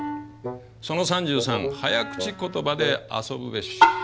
「その３３早口言葉で遊ぶべし」。